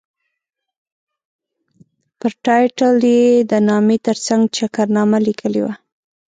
پر ټایټل یې د نامې ترڅنګ چکرنامه لیکلې وه.